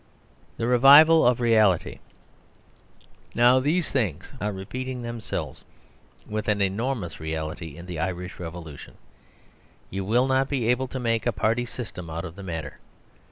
The Revival of Reality Now these things are repeating themselves with an enormous reality in the Irish Revolution. You will not be able to make a Party System out of the matter.